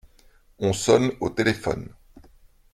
On sonne au téléphone.